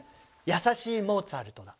優しいモーツァルトだ。